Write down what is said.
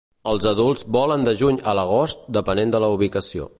Els adults volen de juny a l'agost, depenent de la ubicació.